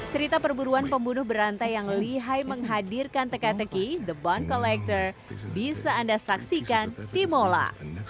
cerita perburuan pembunuh berantai yang lihai menghadirkan teka teki the bond collector bisa anda saksikan di mola